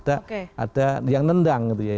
ada yang nendang gitu ya